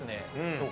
どう？